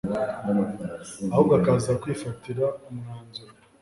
ahubwo akaza kwifatira umwanzuro